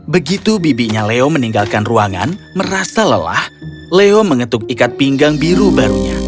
begitu bibinya leo meninggalkan ruangan merasa lelah leo mengetuk ikat pinggang biru barunya